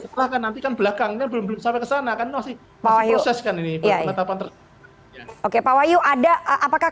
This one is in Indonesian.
setelahkan nantikan belakangnya belum sampai kesana kan masih proses kan ini oke pak wahyu ada apakah